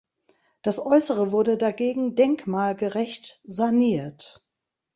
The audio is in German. Das Äußere wurde dagegen denkmalgerecht saniert.